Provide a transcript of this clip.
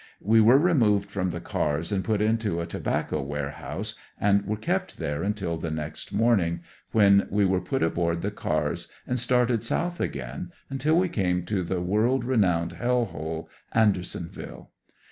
We were removed from the cars and put into a tobacco warehouse and were kept there until the next morning, when we were put aboard the cars and started south again until we came to the world renowned hell hole, Andersonville.